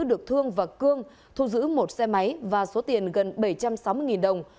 được thương và cương thu giữ một xe máy và số tiền gần bảy trăm sáu mươi đồng